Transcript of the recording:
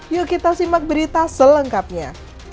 yuk kita simak berita selengkapnya